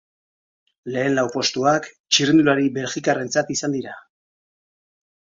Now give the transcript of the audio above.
Lehen lau postuak txirrindulari belgikarrentzat izan dira.